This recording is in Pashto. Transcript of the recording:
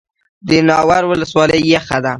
د ناور ولسوالۍ یخه ده